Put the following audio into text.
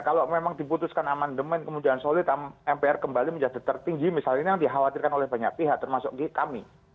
kalau memang diputuskan amandemen kemudian solid mpr kembali menjadi tertinggi misalnya ini yang dikhawatirkan oleh banyak pihak termasuk kami